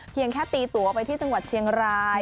เพียงแค่ตีตัวไปที่จังหวัดเชียงราย